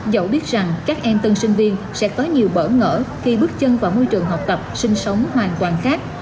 dẫu biết rằng các em tân sinh viên sẽ có nhiều bỡ ngỡ khi bước chân vào môi trường học tập sinh sống hoàn toàn khác